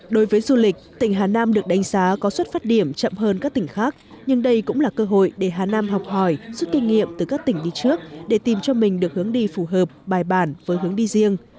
đối với du lịch tỉnh hà nam được đánh giá có xuất phát điểm chậm hơn các tỉnh khác nhưng đây cũng là cơ hội để hà nam học hỏi rút kinh nghiệm từ các tỉnh đi trước để tìm cho mình được hướng đi phù hợp bài bản với hướng đi riêng